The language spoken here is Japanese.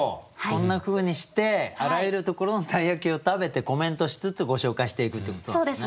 こんなふうにしてあらゆるところの鯛焼を食べてコメントしつつご紹介していくっていうことなんですね。